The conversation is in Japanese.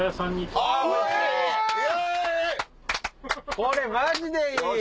これマジでいい！